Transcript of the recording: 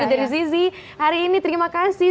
dari zizi hari ini terima kasih